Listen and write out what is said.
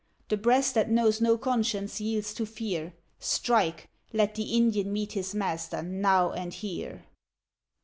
The breast that knows no conscience yields to fear, Strike! let the Indian meet his master now and here.